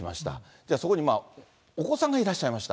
じゃあ、そこにお子さんがいらっしゃいました。